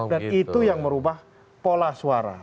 dan itu yang merubah pola suara